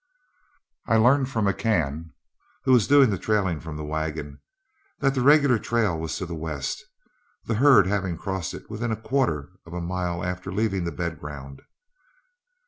I learned from McCann, who was doing the trailing from the wagon, that the regular trail was to the west, the herd having crossed it within a quarter of a mile after leaving the bed ground.